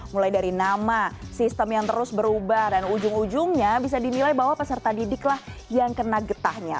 mulai dari nama sistem yang terus berubah dan ujung ujungnya bisa dinilai bahwa peserta didiklah yang kena getahnya